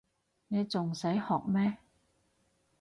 你仲使學咩